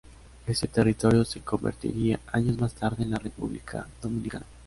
Este territorio se convertiría años más tarde en la República Dominicana.